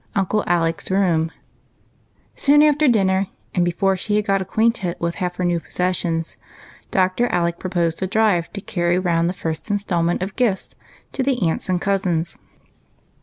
UNCLE ALECS ROOM, SOON after dinner, and before she had got ac quainted with half her new possessions, Dr. Alec proposed a drive, to carry round the first instalment of gifts to the aunts and cousins.